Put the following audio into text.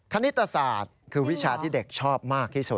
คณิตศาสตร์คือวิชาที่เด็กชอบมากที่สุด